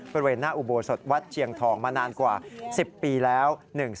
บริเวณหน้าอุโบสถวัดเชียงทองมานานกว่า๑๐ปีแล้ว